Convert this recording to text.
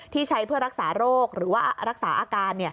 ที่ใช้เพื่อรักษาโรคหรือว่ารักษาอาการ